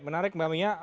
menarik mbak mia